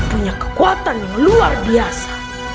punya kekuatan yang luar biasa